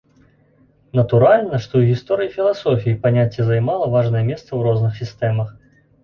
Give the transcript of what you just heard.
Натуральна, што і ў гісторыі філасофіі паняцце займала важнае месца ў розных сістэмах.